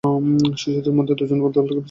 শিশুদের মধ্যে দু'জন দল থেকে পিছিয়ে পড়েছিল।